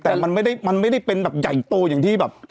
แต่มันไม่ได้มันไม่ได้เป็นแบบใหญ่โตอย่างที่แบบ